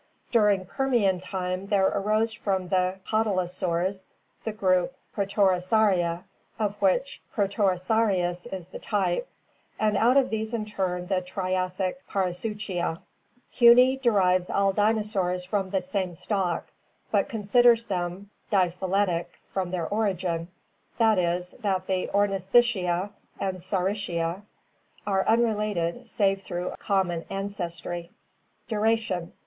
During Permian time there arose from the cotylosaurs the group Protorosauria, of which Protorosaurus is the type, and out of these in turn the Triassic Parasuchia. Huene derives all dinosaurs from the same stock, but considers them diphy letic from their origin; that is, that the Ornithischia and Saurischia (see page 506) are unrelated save through a common ancestry. Duration.